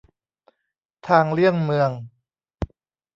ทางเลี่ยงเมือง